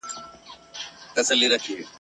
په انارګل به ښکلی بهار وي !.